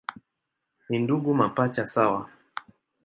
Ni ndugu mapacha sawa.